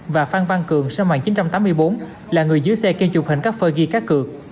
và phan văn cường sinh năm một nghìn chín trăm tám mươi bốn là người dưới xe kiên trục hình cắt phơi ghi cát cược